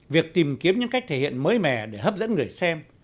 việc tìm kiếm những cách thể hiện mới mẻ để hấp dẫn người xem